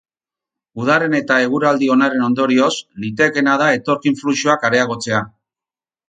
Udaren eta eguraldi onaren ondorioz, litekeena da etorkin-fluxuak areagotzea.